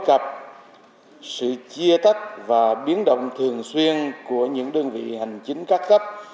cập sự chia tách và biến động thường xuyên của những đơn vị hành chính các cấp